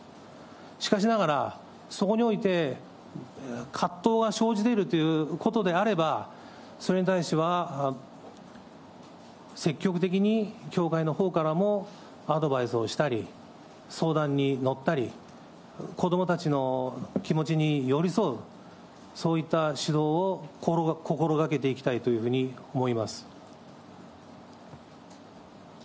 しかしながら、そこにおいて葛藤が生じているということであれば、それに対しては、積極的に教会のほうからもアドバイスをしたり、相談に乗ったり、子どもたちの気持ちに寄り添う、そういった指導を心がけていきたいというふうに思います。